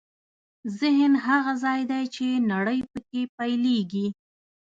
ذهن هغه ځای دی چې نړۍ پکې پیلېږي.